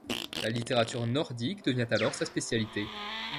La littérature nordique devient alors sa spécialité.